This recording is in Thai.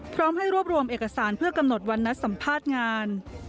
พร้อมให้รวบรวมเอกสารเพื่อกำหนดวันนัดสัมภาษณ์งาน